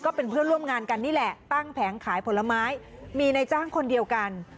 เพื่อนร่วมงานกันนี่แหละตั้งแผงขายผลไม้มีในจ้างคนเดียวกัน